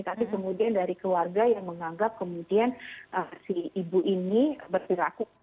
tapi kemudian dari keluarga yang menganggap kemudian si ibu ini berperilaku